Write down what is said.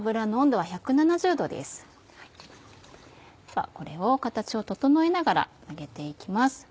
ではこれを形を整えながら揚げて行きます。